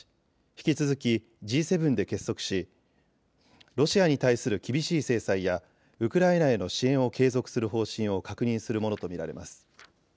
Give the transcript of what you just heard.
引き続きＧ７で結束し、ロシアに対する厳しい制裁やウクライナへの支援を継続する方針を確認するものと見られます。